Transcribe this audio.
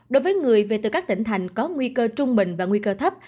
đối với người về từ các tỉnh thành có nguy cơ trung bình và nguy cơ thấp